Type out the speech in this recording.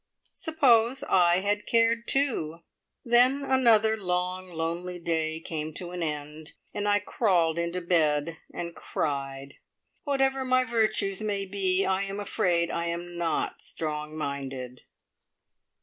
Suppose I had cared, too? Then another long, lonely day came to an end, and I crawled into bed and cried. Whatever my virtues may be, I am afraid I am not strong minded!